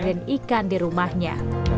dan ikan di rumahnya